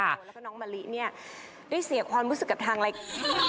แล้วก็น้องมะลิเนี่ยได้เสียความรู้สึกกับทางรายการ